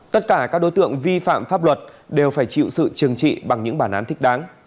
tất cả các đối tượng vi phạm pháp luật đều phải chịu sự trừng trị bằng những bản án thích đáng